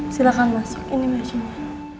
silahkan masuk ini mesinnya